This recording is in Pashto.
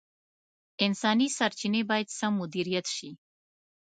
انساني سرچیني باید سم مدیریت شي.